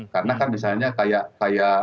karena kan misalnya kayak